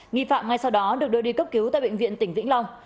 nghi phạm ngay sau đó được đưa đi cấp cứu tại bệnh viện tỉnh vĩnh long